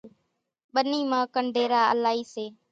ٻنِي مان ڪنڍيرا الائِي سي۔